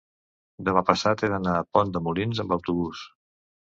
demà passat he d'anar a Pont de Molins amb autobús.